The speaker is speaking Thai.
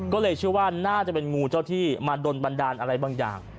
ก็เลยเชื่อว่าน่าจะเป็นงูเจ้าที่มาโดนบันดาลอะไรบางอย่าง